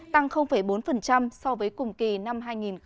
tăng bốn so với cùng kỳ năm hai nghìn một mươi tám